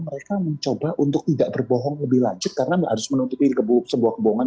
mereka mencoba untuk tidak berbohong lebih lanjut karena tidak harus menutupi sebuah kebohongan